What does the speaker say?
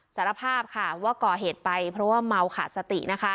สารภาพค่ะว่าก่อเหตุไปเพราะว่าเมาขาดสตินะคะ